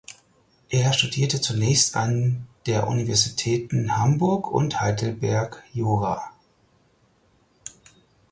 Er studierte zunächst an der Universitäten Hamburg und Heidelberg Jura.